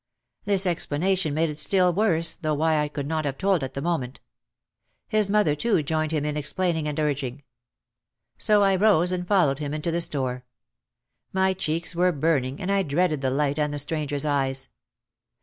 This explanation made it still worse, though why I could not have told at the moment. His mother too joined him in explaining and urging. So I rose and followed him into the store. My cheeks were burning and I dreaded the light and the stranger's eyes.